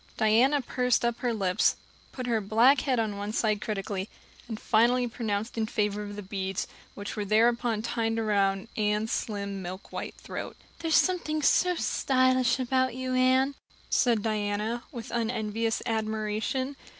Diana pursed up her lips, put her black head on one side critically, and finally pronounced in favor of the beads, which were thereupon tied around Anne's slim milk white throat. "There's something so stylish about you, Anne," said Diana, with unenvious admiration.